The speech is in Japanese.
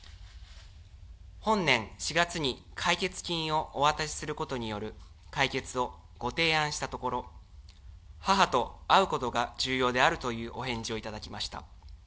本年４月に解決金をお渡しすることにより、解決をご提案したところ、母と会うことが重要であるというお返事を頂きました。